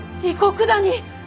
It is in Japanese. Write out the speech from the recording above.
異国だに！